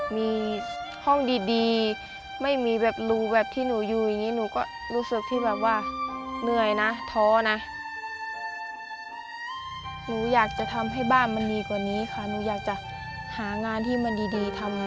มีห้องดีไม่มีแบบรูแบบที่หนูอยู่อย่างนี้